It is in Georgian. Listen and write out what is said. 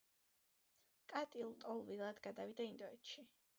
კაცი ლტოლვილად გადავიდა ინდოეთში.